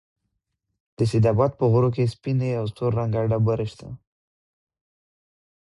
د سيدآباد په غرو كې سپينې او سور رنگه ډبرې شته